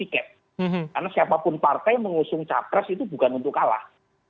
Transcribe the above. karena siapapun partai mengusung capres itu bukan untuk kalah